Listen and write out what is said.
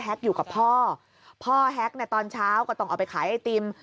อยู่กับพ่อพ่อแฮ็กในตอนเช้าก็ต้องเอาไปขายไอติม